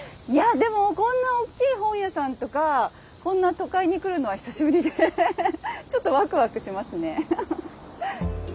でもこんな大きい本屋さんとかこんな都会に来るのは久しぶりでちょっとワクワクしますね。